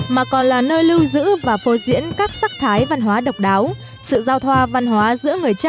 mà còn là nơi lưu giữ và phô diễn các sắc thái văn hóa độc đáo sự giao thoa văn hóa giữa người trăm và người gia rai